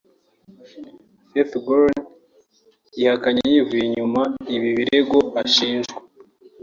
Fethullah Gulen yahakanye yivuye inyuma iby’ibi birego ashinjwa